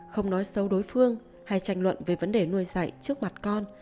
không nói sâu đối phương hay tranh luận về vấn đề nuôi dạy trước mặt con